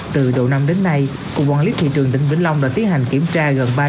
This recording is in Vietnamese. từ đầu năm đến nay cục quản lý thị trường tỉnh vĩnh long đã tiến hành kiểm tra gần